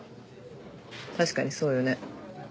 確かにそうよね。